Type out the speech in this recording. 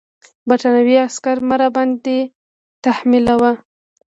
برټانوي عسکر مه راباندې تحمیلوه.